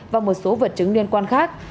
và một số vật chứng liên quan khác